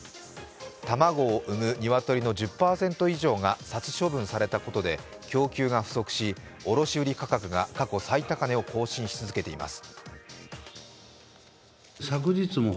卵を産む鶏の１０％以上が殺処分されたことで供給が不足し、卸売価格が過去最高値を更新し続けています。